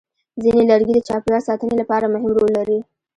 ځینې لرګي د چاپېریال ساتنې لپاره مهم رول لري.